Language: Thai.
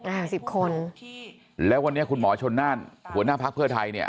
เนี่ยวันนี้คุณหมอยชนนางหัวหน้าภัคษณ์เพื่อไทยเนี่ย